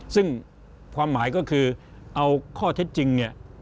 ซึ่งความหมายก็คือเอาข้อเท็จจริงเนี่ย